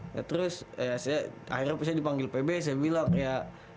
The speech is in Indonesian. ya terus akhirnya saya dipanggil pb saya bilang ya